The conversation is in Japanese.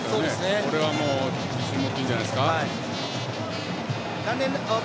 これは自信持っていいんじゃないですか。